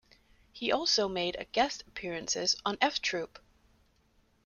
He also made guest appearances on "F Troop".